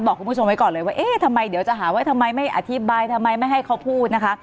บอกคุณผู้ชมไว้ก่อนเลยว่าเอ๊ะทำไมเดี๋ยวจะหาว่าทำไมไม่อธิบายทำไมไม่ให้เขาพูดนะคะ